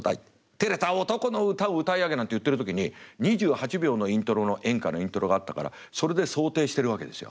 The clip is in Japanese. てれた男の歌を歌い上げ」なんて言ってる時に２８秒のイントロの演歌のイントロがあったからそれで想定してるわけですよ。